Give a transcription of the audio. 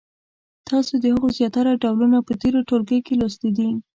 تاسو د هغو زیاتره ډولونه په تېرو ټولګیو کې لوستي دي.